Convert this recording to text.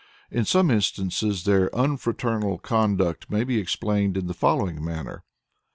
In some instances their unfraternal conduct may be explained in the following manner.